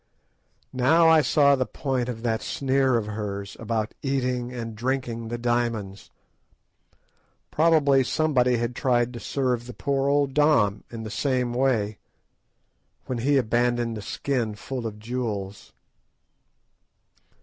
Now I saw the point of that sneer of hers about eating and drinking the diamonds. Probably somebody had tried to serve the poor old Dom in the same way, when he abandoned the skin full of jewels.